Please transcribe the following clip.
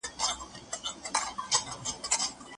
زه باید درس ولولم.